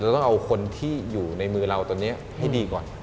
ต้องเอาคนที่อยู่ในมือเราตอนนี้ให้ดีก่อน